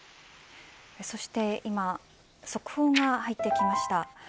そして今速報が入ってきました。